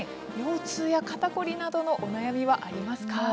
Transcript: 腰痛や肩凝りなどのお悩みはありますか。